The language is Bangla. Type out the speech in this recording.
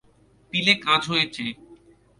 পিলে কাজ হয়েছে।